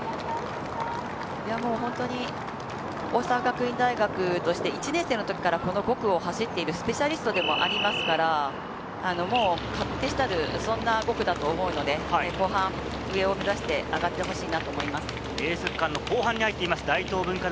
本当に大阪学院大学として１年生のときからこの５区を走っているスペシャリストでもありますから勝手知ったる、そんな５区だと思うので、後半、上を目指して上がっていってほしいなと思います。